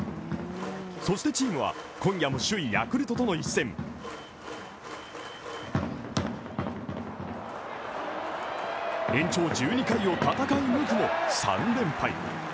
そしてチームは、今夜も首位・ヤクルトとの一戦延長１２回を戦い抜くも、３連敗。